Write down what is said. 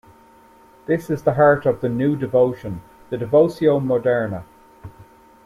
This is the heart of the "New Devotion", the "Devotio moderna".